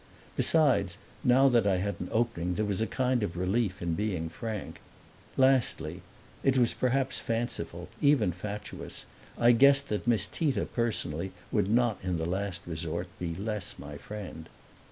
Besides, now that I had an opening there was a kind of relief in being frank. Lastly (it was perhaps fanciful, even fatuous), I guessed that Miss Tita personally would not in the last resort be less my friend.